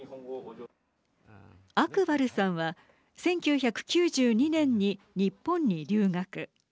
アクバルさんは１９９２年に日本に留学。